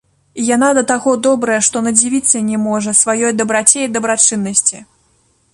Яна да таго добрая, што надзівіцца не можа сваёй дабраце і дабрачыннасці.